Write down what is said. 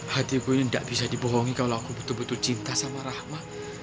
hatiku ini tidak bisa dibohongi kalau aku betul betul cinta sama rahmat